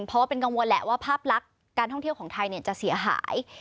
เพราะว่าเป็นกังวลแหละว่าภาพลักษณ์การท่องเที่ยวของไทยจะเสียหาย